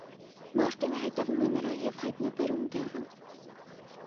Մարտինը հետևում է նրան և հայտնաբերում դեղը։